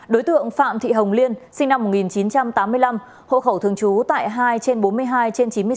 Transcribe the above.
đối tượng phạm thị hồng liên sinh năm một nghìn chín trăm tám mươi năm hộ khẩu thường trú tại hai trên bốn mươi hai trên chín mươi sáu